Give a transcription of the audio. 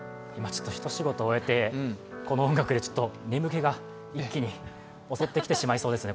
一仕事終えて、この音楽で眠気が一気に襲ってきてしまいそうですね。